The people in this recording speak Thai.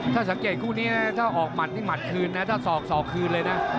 ถ้าสังเกตคู่นี้ถ้าสอบคืนเลยน่ะ